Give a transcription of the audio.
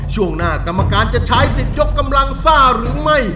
ช่วงหน้ากรรมการจะใช้สิทธิ์ยกกำลังซ่าหรือไม่